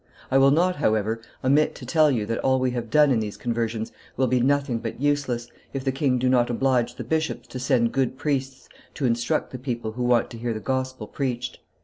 I will not, however, omit to tell you that all we have done in these conversions will be nothing but useless, if the king do not oblige the bishops to send good priests to instruct the people who want to hear the gospel preached.